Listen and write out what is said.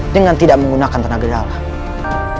dengan tidak menggunakan tenaga dalam